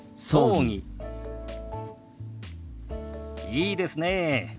いいですねえ。